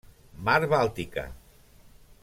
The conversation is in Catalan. Mar Bàltica.